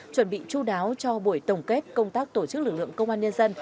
chuẩn bị chú đáo cho buổi tổng kết công tác tổ chức lực lượng công an nhân dân